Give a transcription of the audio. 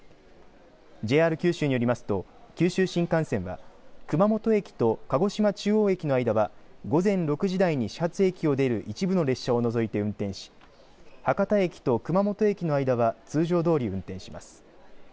ＪＲ九州によりますと九州新幹線は熊本駅と鹿児島中央駅の間は午前６時台に始発駅を出る一部の列車を除いて運転し博多駅と熊本駅の間は通常どおり運転します。